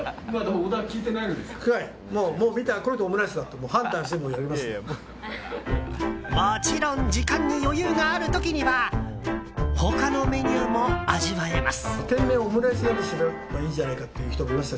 ちなみに、他のお客さんは。もちろん時間に余裕がある時には他のメニューも味わえます。